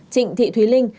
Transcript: trịnh thị thùy linh